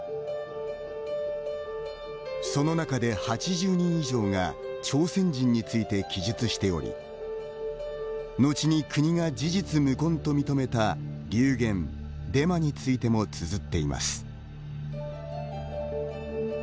その中で、８０人以上が朝鮮人について記述しており後に国が事実無根と認めた流言デマについてもつづっています。